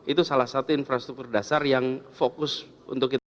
itu salah satu infrastruktur dasar yang fokus untuk kita